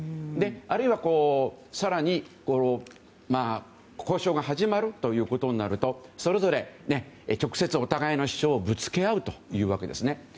あるいは更に交渉が始まるということになるとそれぞれ直接お互いの主張をぶつけ合うということですね。